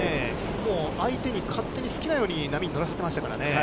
もう相手に勝手に好きなように波に乗らせてましたからね。